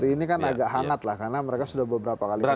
ini kan agak hangat lah karena mereka sudah beberapa kali makan